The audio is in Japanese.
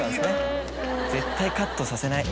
絶対カットさせない。